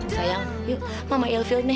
sayang yuk mama ilfiel nih